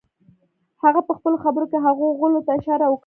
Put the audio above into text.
هغه پهخپلو خبرو کې هغو غلو ته اشاره وکړه.